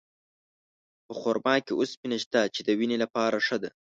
په خرما کې اوسپنه شته، چې د وینې لپاره ښه ده.